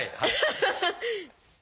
ハハハハ！